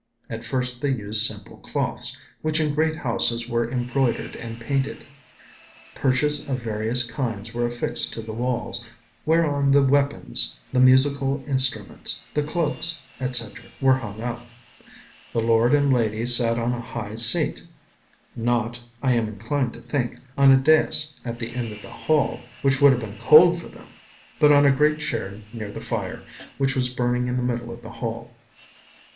At first they used simple cloths, which in great houses were embroidered and painted; perches of various kinds were affixed to the walls, whereon the weapons, the musical instruments, the cloaks, etc., were hung up. The lord and lady sat on a high seat; not, I am inclined to think, on a dais at the end of the hall, which would have been cold for them, but on a great chair near the fire, which was burning in the middle of the hall.